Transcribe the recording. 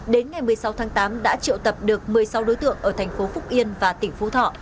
đến ngày một mươi sáu tháng tám đã triệu tập được một mươi sáu đối tượng ở thành phố phúc yên và tỉnh phú thọ